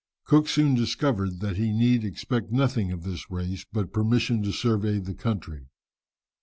Cook soon discovered that he need expect nothing of this race but permission to survey the country.